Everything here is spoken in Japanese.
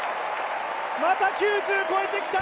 また９０を超えてきた！